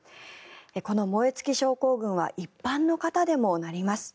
この燃え尽き症候群は一般の方でもなります。